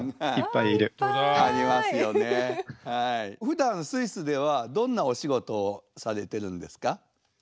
ふだんスイスではどんなお仕事をされてるんですか？